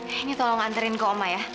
ini tolong anterin ke oma ya